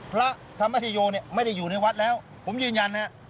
พระธรรมชโยเนี่ยไม่ได้อยู่ในวัดแล้วผมยืนยันนะฮะ